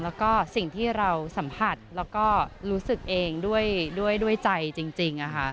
แล้วก็สิ่งที่เราสัมผัสแล้วก็รู้สึกเองด้วยใจจริง